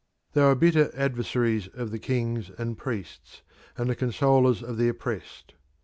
They were bitter adversaries of the kings and priests, and the consolers of the oppressed.